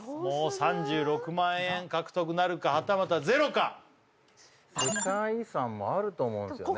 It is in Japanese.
３６万円獲得なるかはたまた０か世界遺産もあると思うんですよね